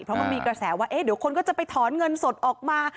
เพราะมันมีกระแสว่าเดี๋ยวคนก็จะไปถอนเงินสดออกมา